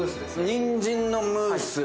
にんじんのムース